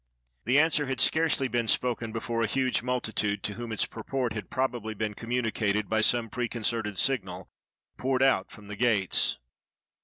The answer had scarcely been spoken before a huge multitude, to whom its purport had probably been com municated by some preconcerted signal, poured out from the gates.